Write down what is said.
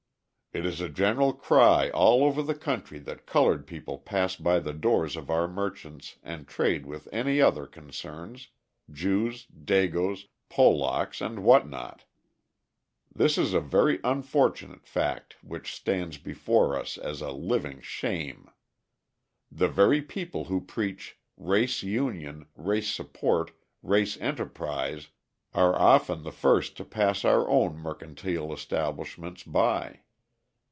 It is a general cry all over the country that coloured people pass by the doors of our merchants and trade with any other concerns Jews, Dagoes, Polacks, and what not. This is a very unfortunate fact which stands before us as a living shame. The very people who preach "race union, race support, race enterprise," are often the first to pass our own mercantile establishments by.